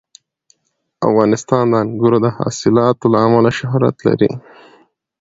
افغانستان د انګورو د حاصلاتو له امله شهرت لري.